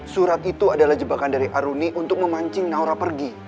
surat itu adalah jebakan dari aruni untuk memancing naura pergi